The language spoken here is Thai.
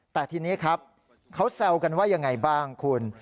แต่ทีนี้ครับเขาแซวกันว่ายังไงบ้างคุณ